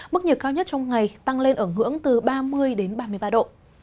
mức nhiệt cao nhất trong ngày tăng lên ở ngưỡng từ ba mươi đến ba mươi ba độ